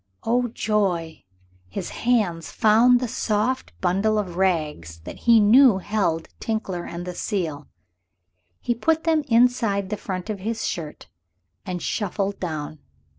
Oh, joy! His hands found the soft bundle of rags that he knew held Tinkler and the seal. He put them inside the front of his shirt and shuffled down.